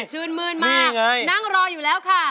ชื่นมื้นมากนั่งรออยู่แล้วค่ะ